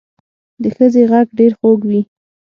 د ښځې غږ ډېر خوږ وي